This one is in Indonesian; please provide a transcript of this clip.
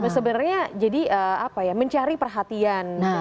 sebenarnya jadi apa ya mencari perhatian